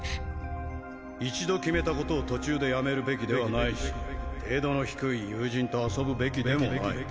一度決めたことを途中でやめるべきではないし程度の低い友人と遊ぶべきでもない。